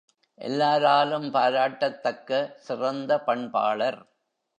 எல்லாராலும் பாராட்டத்தக்க சிறந்த பண்பாளர்!